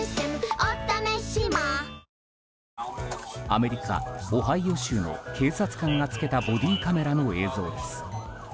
アメリカ・オハイオ州の警察官がつけたボディーカメラの映像です。